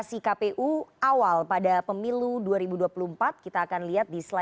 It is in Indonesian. tim liputan cnn indonesia